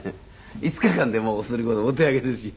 ５日間でもうそれこそお手上げですよ。